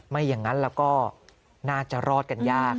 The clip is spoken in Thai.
ไม่อย่างนั้นแล้วก็น่าจะรอดกันยาก